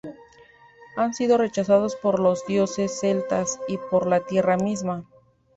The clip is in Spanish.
Han sido rechazados por los dioses celtas y por la tierra misma.